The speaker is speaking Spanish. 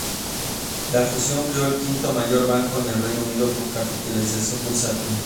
La fusión creó el quinto mayor banco en el Reino Unido por capitalización bursátil.